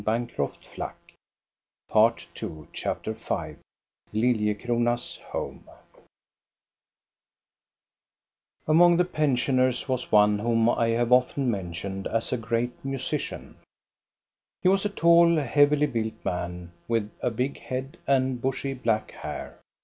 LILLIECRONA'S HOME 29 1 CHAPTER V lilliecrona's home Among the pensioners was one whom I have often mentioned as a great musician. He was a tall, heavily built man, with a big head and bushy, black hair.